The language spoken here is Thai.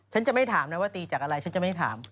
ฉันจะไม่ถามนะว่าตีจากอะไรฉันจะไม่ถาม